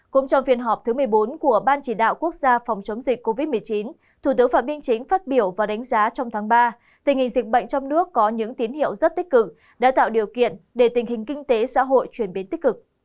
cũng trong phiên họp thứ một mươi bốn của ban chỉ đạo quốc gia phòng chống dịch covid một mươi chín thủ tướng phạm minh chính phát biểu và đánh giá trong tháng ba tình hình dịch bệnh trong nước có những tín hiệu rất tích cực đã tạo điều kiện để tình hình kinh tế xã hội chuyển biến tích cực